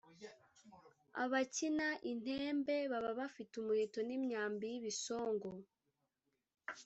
abakina intembe baba bafite umuheto n’imyambi y’ibisongo